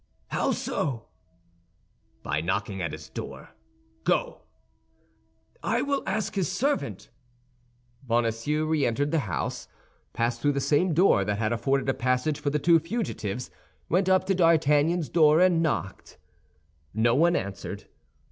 "How so?" "By knocking at his door. Go." "I will ask his servant." Bonacieux re entered the house, passed through the same door that had afforded a passage for the two fugitives, went up to D'Artagnan's door, and knocked. No one answered.